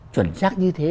chuẩn xác như thế